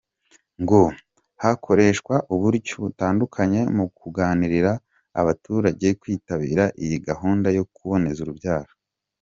Ngo hakoreshwa uburyo butandukanye mu gukangurira aba baturage kwitabira iyi gahunda yo kuboneza urubyaro.